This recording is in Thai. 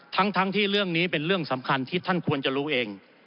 ทั้งที่เรื่องนี้เป็นเรื่องสำคัญที่ท่านควรจะรู้เอง